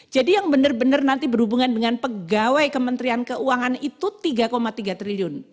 jadi yang benar benar nanti berhubungan dengan pegawai kementerian keuangan itu tiga tiga triliun